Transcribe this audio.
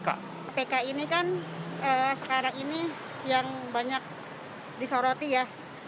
kpk ini kan sekarang ini yang banyak disoroti ya